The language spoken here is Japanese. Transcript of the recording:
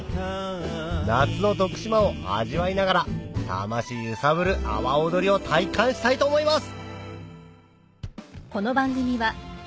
夏の徳島を味わいながら魂ゆさぶる阿波おどりを体感したいと思います！